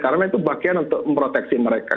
karena itu bagian untuk memproteksi mereka